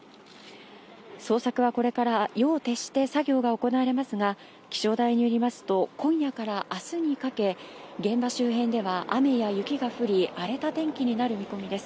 捜索はこれから夜を徹して作業が行われますが、気象台によりますと、今夜からあすにかけ、現場周辺では雨や雪が降り、荒れた天気になる見込みです。